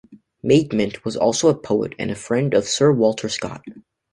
Maidment was also a poet and a friend of Sir Walter Scott.